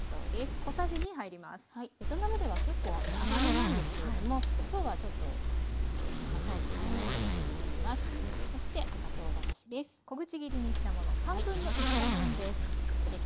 ベトナムでは結構甘めなんですけれども今日はちょっと甘さを控えめにしています。